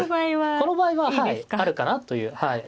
この場合ははいあるかなという。